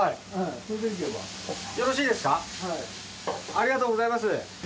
ありがとうございます。